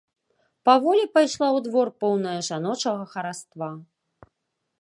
Паволі пайшла ў двор, поўная жаночага хараства.